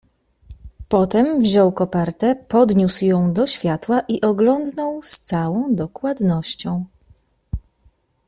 "Potem wziął kopertę, podniósł ją do światła i oglądnął z całą dokładnością."